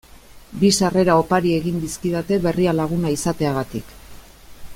Bi sarrera opari egin dizkidate Berrialaguna izateagatik.